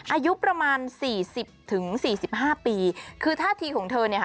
อายุประมาณสี่สิบถึงสี่สิบห้าปีคือท่าทีของเธอเนี่ยค่ะ